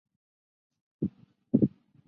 向后移植可以由核心软件设计师提供。